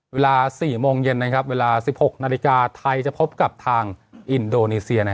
เวลา๑๖นาฬิกาไทยพบกับทางอินโดนีเชีย